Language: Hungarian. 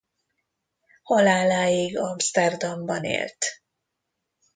Haláláig Amszterdamban élt.